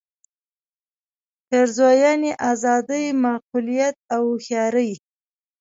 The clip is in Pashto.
پېرزوینې آزادۍ معقولیت او هوښیارۍ.